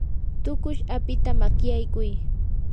tuqush apita makyaykuy.